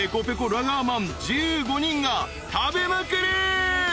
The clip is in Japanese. ラガーマン１５人が食べまくる］